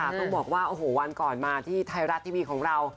ต้องบอกว่าโอ้โหวันก่อนมาที่ไทยรัฐทีวีของเรา